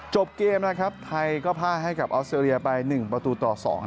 จบเกมนะครับไทยก็พ่าให้กับออสเตรเลียไป๑ประตูต่อ๒